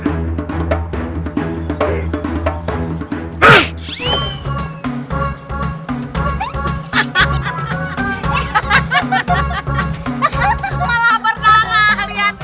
malah berdarah lihat